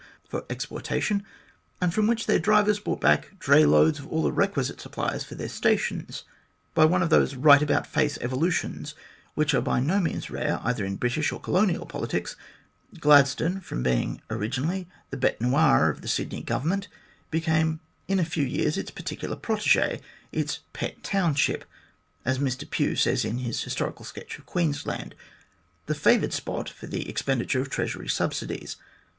for exportation, and from which their drivers brought back dray loads of all the requisite supplies for their stations. By one of those right about face evolutions which are by no means rare either in British or Colonial politics, Gladstone, from being originally the btte noir of the Sydney Government, became in a few years its particular prottgt, its " pet town ship," as Mr Pugh says in his historical sketch of Queens land, the favoured spot for the expenditure of Treasury subsidies.